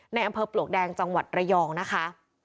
ในอำเภอปลวกแดงจังหวัดระยองนะคะ